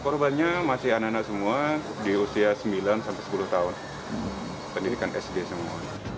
korbannya masih anak anak semua di usia sembilan sampai sepuluh tahun pendidikan sd semua